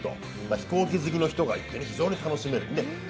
飛行機好きの人が行って、非常に楽しめる。